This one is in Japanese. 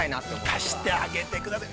◆行かせてあげてください。